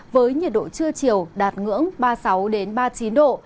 với nhiệt độ trưa chiều đạt ngưỡng ba mươi sáu ba mươi chín độ